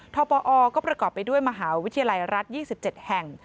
ปอก็ประกอบไปด้วยมหาวิทยาลัยรัฐ๒๗แห่ง